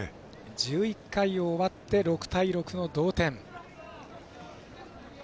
１１回を終わって６対６の同点。